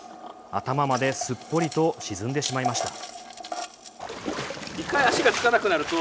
頭まですっぽりと沈んでしまいました。